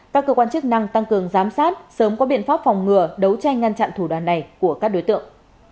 các cơ quan chức năng tăng cường giám sát sớm có biện pháp phòng ngừa đấu tranh ngăn chặn thủ đoàn này của các đối tượng